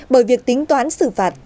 bởi việc tính toán xử phạt